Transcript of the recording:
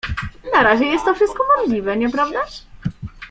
"Na razie jest to wszystko możliwe, nieprawdaż?"